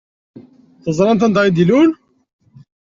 Teẓṛamt anda i d-ilul?